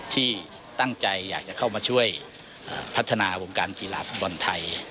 ที่ตั้งใจอยากจะเข้ามาช่วยพัฒนาวงการกีฬาฟุตบอลไทย